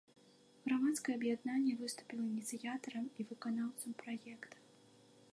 Грамадскае аб'яднанне выступіла ініцыятарам і выканаўцам праекта.